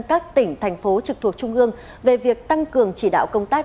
các tỉnh thành phố trực thuộc trung ương về việc tăng cường chỉ đạo công tác